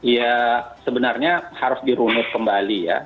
ya sebenarnya harus dirunut kembali ya